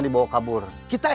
membeli kepala engine